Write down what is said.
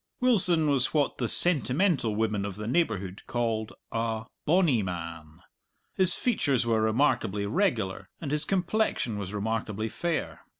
Wilson was what the sentimental women of the neighbourhood called a "bonny man." His features were remarkably regular, and his complexion was remarkably fair.